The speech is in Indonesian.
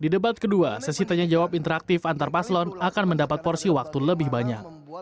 di debat kedua sesi tanya jawab interaktif antar paslon akan mendapat porsi waktu lebih banyak